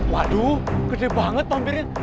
waduh gede banget vampirnya